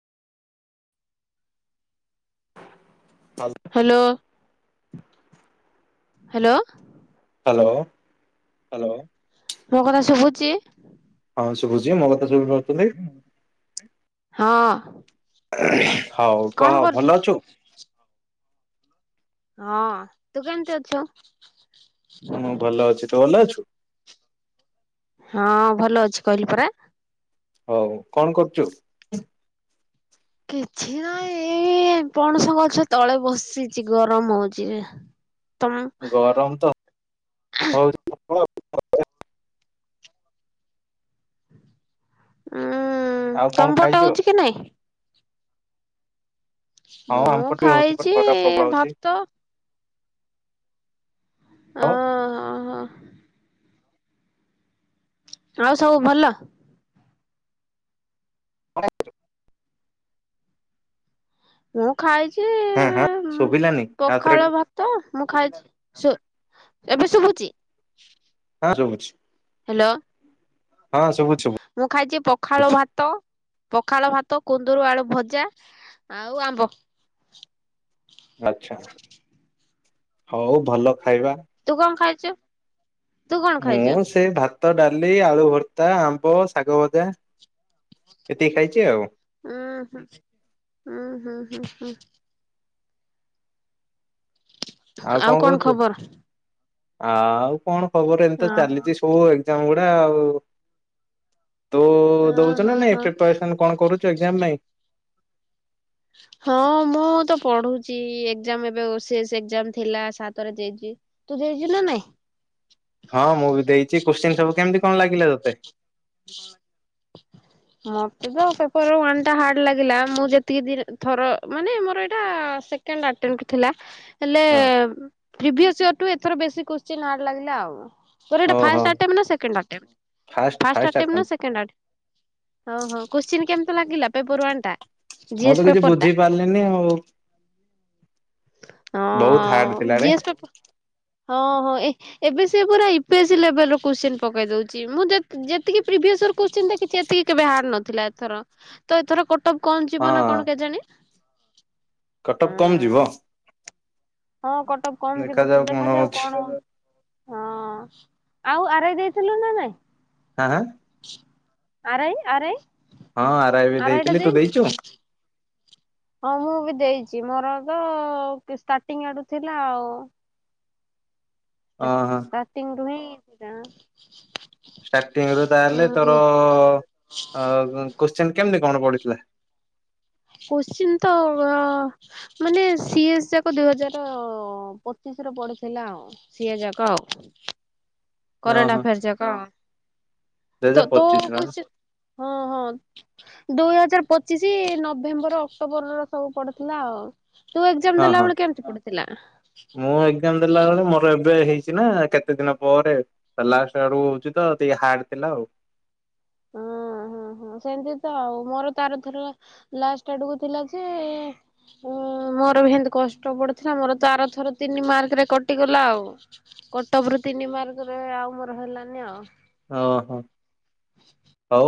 ଆଲ hello hello hello hello, ମୋ କଥା ଶୁଭୁଛି? ହଁ ଶୁଭୁଛି ମୋ କଥା ସବୁ ଭହୁପାରୁଛନ୍ତି? ହଁ ହଉ କଣ କହ କରୁଛୁ? ଭଲ ଅଛୁ? ହଁ ତୁ କେମିତି ଅଛୁ? ମୁଁ ଭଲ ଅଛି, ତୁ ଭଲ ଅଛୁ? ହଁ ଭଲ ଅଛି କହିଲି ପରା? ହଉ କଣ କରୁଛୁ? କିଛି ନହିଁ ଏ ପଣସ ଗଛ ତଳେ ବସିଛି ଗରମ ହଉଛି ଯେ ଗରମ ତ [inaudible] ହଉଛି ପ୍ରବଳ ଆଉ ଉୁଁ କଣ [unintelligible] ଖାଇଛୁ ହଉଛି କି ନାଇଁ? ହଁ ଆମ ମୁଁ ପଟେ ହଉଛି ଖାଇଛି ଖରା ପ୍ରବଳ ହଉଛି ଭାତ ଅ ଆଉ ଆଉ ସବୁ ଭଲ? । ମୁଁ ଖାଇଛି ହଁ ହଁ ଶୁଭିଲାନି ଆଉଥରେ ପଖାଳ ଭା ତ ମୁଁ ଖାଇଛି ଏବେ ଶୁଭୁଛି। ହଁ ଶୁଭୁଛି। ହ୍ୟାଲୋ ହଁ ସୁବୁଛି। ମୁଁ ଖାଇଛି ପଖାଳ ଭାତ, ପଖାଳ ଭାତ କୁନ୍ଦୁରୁ ଆଳୁ ଭଜା, ଆଉ ଆମ୍ବ। ଆଛା ହଉ ଭଲ ଖାଇବା। ତୁ କଣ ଖାଇଛୁ? ତୁ କଣ ମୁଁ ଖାଇଛୁ? ସେ ଭା ଭାତ, ଡାଲି, ଆ ଳୁ ଭର୍ତ୍ତା, ଆମ୍ବ, ଶାଗ ଭଜା, ଏତିକି ଖାଇଛି ଆଉ। ଓଁହ୍ନୁ ହୁଁ, ହୁଁ ହୁଁ, ହୁଁ ହୁଁ ଆଉ କଣ କହୁଛୁ? ଆଉ କଣ ଖବର ଏମି ତ ହଁ ଚାଲିଛି ତୋ ଏଜାମ ଗୁଡା ଆଉ ତୁ ହଁ ଦଉଛୁ ହଁ ନା ନାଇଁ ହଁ ପ୍ରିପାରେସନ କଣ କରୁ ଛୁ ଏକଜାମ ପାଁଇ? ହଁ ମୁଁ ତ ପଢୁଛି ଏକ୍ଜାମ ଏବେ ଓ ଏଜାମ ଥିଲା ସାତରେ ଯାଇଛି। ତୁ ଦେଇଛୁ ନା ନାଇଁ? ହଁ ମୁଁ ବି ଦେଇଛି କୋଶ୍ଚିିନ ସବୁ କେମିତି କଣ ଲାଗିଲା ତୋତେ? ମତେ ତ ପେପର ୱାନ୍ଟା ହାର୍ଡ ଲାଗିଲା ମୁଁ ଯେତିକି ଦି ଥର ମାନେ ମୋର ଏଇଟା ସେ କେଣ୍ଡ ଆଟେଣ୍ଟ ଥିଲା। ହେଲେ ହଁ ଫ୍ରିଭିଅସ ୟର୍ ଟୁ ଏଥର ବେଶୀ କୋଷ୍ଚିନ୍ ହାର୍ଡ ଲାଗିଲା ଆଉ। ତୋର ଏଟା ଓହୋ ଫାଷ୍ଟ ଆଟେମ୍ ନା ସେକେଣ୍ଡ ଆଟେମ୍ ଫାଷ୍ଟ ଆଟେମ୍ ନା ସେକେଣ୍ଡ ଆଟ ହଉ ହଉ କୋଶ୍ଚିନ କେମିତି ଲାଗିଲା ପେପର ୱାନ୍ ଟା? ମୁଁ ଜିଏସ୍ ତ କିଛି ପେପର ଟା ବୁଝି ପାରିଲିନି ଆଉ। ବହୁତ ହାର୍ଡ ହଁ ଥିଲାରେ ଜିଏସ୍ ପେପର୍ ହଁ ହଁ ଏ ଏବେ ସେ ପୁରା ଇପେଜି ଲେବଲ୍ ର କୋଶ୍ଚିନ୍ ପକେଇ ଦଉଚି ମୁଁ ଯେ ଯେତିକି ପ୍ରିଭିଅସର୍ କୋଷ୍ଚିନ୍ ଦେଖିଛି ଏତି କେବେ ହାର୍ ନଥିଲା ଏଥର ତ ଏଥର କଟପ କମ ହଁ ଯିବ ନା କଣ କେଜାଣି। କଟପ କମ୍ ଯିବ। ହୁଁ ହଁ କଟପ୍ କମ୍ ଯିବ ତ କଣ ଦେଖାଯାଉ ହଉଛି। କଣ ହଁ ଆଉ ଆର୍ ଆଇ ଦେଇଥିଲେନା ନାଇଁ। ଆଁ ହଁ। R I R I. ହଁ ଆର ଆଇ ବି ଦେଇଥିଲେ ତୁ ଦେଇଚୁ? ହଁ ମୁଁ ବି ଦେଇଚି ମୋର ଏବେ ଷ୍ଟାର୍ଟିଂ ଆଡୁ ଥିଲା ଆଉ। ଓହୋ। ଷ୍ଟାଟିଙ୍ଗ ରୁ ହିଁ ଥିଲା। ଷ୍ଟାର୍ଟିଂ ରୁ ତାହେଲେ ତୋର ଅ କୋଶ୍ଚିନ କେମିତି କଣ ପଡିଥିଲା? କୋଶ୍ଚିିନ ତ ଅ ମାନେ ସିଏସ୍ ଯାକ ଦୁଇ ହଜାର ପଚିଶର ପଡିଥିଲା ଆଉ। ସିଏ ଯାକ ଆଉ। କରେଣ୍ଟ ଓହୋ ଅଫେୟର୍ ଯାକ ଦୁଇ ତ ହଜାର କୁ ପଚିଶ ର କିଛି ହଁ ହଁ। ଦୁଇ ହଜାର ପଚିଶି ନଭେମ୍ବର ଅକ୍ଟୋବରର ସବୁ ପଡ଼ିଥିଲା ଆଉ। ତୁ ଏକ୍ସାମ୍ ହଁ ଦେଲା ହଁ। ବେଳେ କେମିତି ପଡିଥିଲା? ମୁଁ ଏକ୍ଜାମ ଦେଲା ବେଳେ ମୋର ଏବେ ହେଇଛି ନା କେତେ ଦିନ ପରେ ତା ଲାଷ୍ଟ ଆଡୁ ହଉଛି ତ ଟିକେ ହାର୍ଡ ଥିଲା ଆଉ। ହଁ ହଁ। ଓ ହୋ ସେମିତି ତ ଆଉ, ମୋର ତାର ଥର ଲାଷ୍ଟ ଆଡକୁ ଥିଲା ଯେ ଉଁ ମୋର ବି ହେମତି କଷ୍ଟ ପଡିଥିଲା ମୋର ତ ଆର ଥର ତିନି ମାର୍କ ରେ କଟିଗଲା ଆଉ। କଟପ୍ ରୁ ତିନି ମାର୍କରେ ଆଉ ମୋର ହେଲାନି ଆଉ। ଓହୋ। [inaudible]